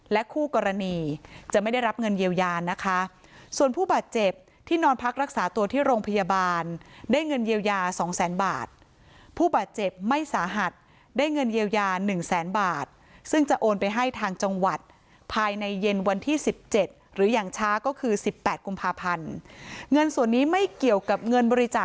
คู่กรณีจะไม่ได้รับเงินเยียวยานะคะส่วนผู้บาดเจ็บที่นอนพักรักษาตัวที่โรงพยาบาลได้เงินเยียวยาสองแสนบาทผู้บาดเจ็บไม่สาหัสได้เงินเยียวยาหนึ่งแสนบาทซึ่งจะโอนไปให้ทางจังหวัดภายในเย็นวันที่สิบเจ็ดหรืออย่างช้าก็คือสิบแปดกุมภาพันธ์เงินส่วนนี้ไม่เกี่ยวกับเงินบริจาค